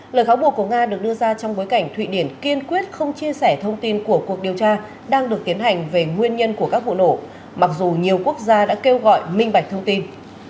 lời cáo buộc của nga được đưa ra trong bối cảnh thụy điển kiên quyết không chia sẻ thông tin của cuộc điều tra đang được tiến hành về nguyên nhân của các vụ nổ mặc dù nhiều quốc gia đã kêu gọi minh bạch thông tin